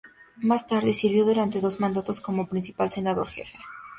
Más tarde, sirvió durante dos mandatos como Principal Senador Jefe.